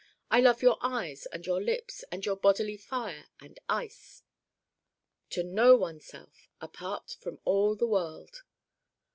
I love your Eyes and your Lips and your bodily Fire and Ice' to know oneself: apart from all the world!